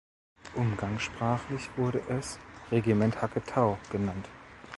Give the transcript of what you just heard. Umgangssprachlich wurde es „Regiment Hacke Tau“ genannt.